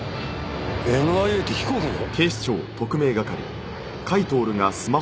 ＮＩＡって飛行機の？